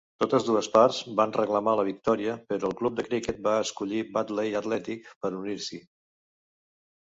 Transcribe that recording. Totes dues parts van reclamar la victòria, però el club de criquet va escollir Batley Athletic per unir-s'hi.